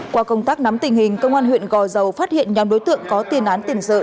qua công tác nắm tình hình công an huyện gò dầu phát hiện nhóm đối tượng có tiền án tiền sự